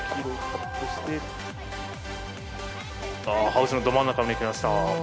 ハウスのど真ん中を抜きました。